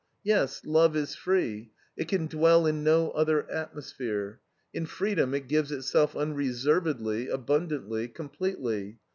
Yes, love is free; it can dwell in no other atmosphere. In freedom it gives itself unreservedly, abundantly, completely.